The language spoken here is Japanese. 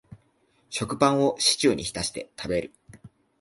食パンをシチューに浸して食べる